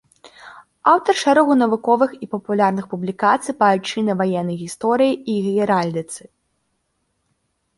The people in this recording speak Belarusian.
Аўтар шэрагу навуковых і папулярных публікацый па айчыннай ваеннай гісторыі і геральдыцы.